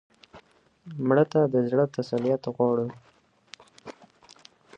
مړه ته د زړه تسلیت غواړو